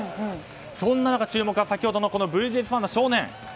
そんな中、注目は先ほどのブルージェイズファンの少年。